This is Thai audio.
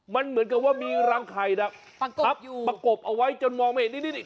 มันเหมือนกับว่ามีรังไข่ทับอยู่ประกบเอาไว้จนมองไม่เห็นนี่